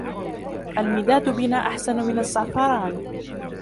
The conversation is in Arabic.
الْمِدَادُ بِنَا أَحْسَنُ مِنْ الزَّعْفَرَانِ